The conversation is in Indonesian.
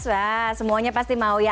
wah semuanya pasti mau ya